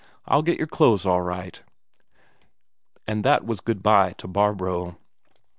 I'll get your clothes all right." And that was good bye to Barbro.